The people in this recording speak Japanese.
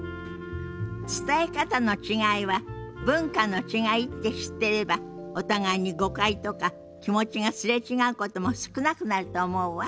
伝え方の違いは文化の違いって知ってればお互いに誤解とか気持ちが擦れ違うことも少なくなると思うわ。